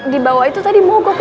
dibawa itu tadi mogok ustaznya